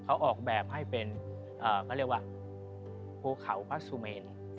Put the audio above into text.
เขาออกแบบให้เป็นเขาเรียกว่าภูเขาพระสุเมน